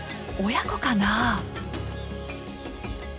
親子かな？